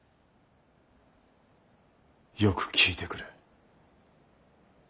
よく聞いてくれ。